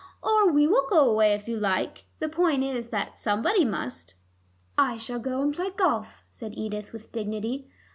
Or we will go away if you like: the point is that somebody must." "I shall go and play golf," said Edith with dignity.